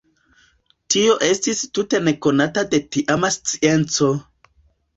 Tio estis tute nekonata de tiama scienco.